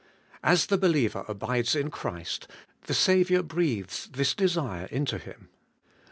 As the believer abides in Christ, the Saviour breathes this desire into him.